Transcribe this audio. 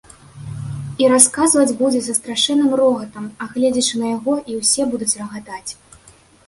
І расказваць будзе са страшэнным рогатам, а гледзячы на яго, і ўсе будуць рагатаць.